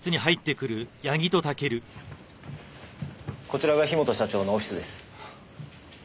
こちらが樋本社長のオフィスです。